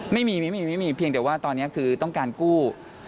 ไม่มีไม่มีเพียงแต่ว่าตอนนี้คือต้องการกู้